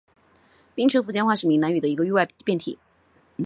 槟城福建话是闽南语的一个域外变体。